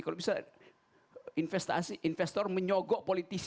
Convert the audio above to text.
kalau bisa investasi investor menyogok politisi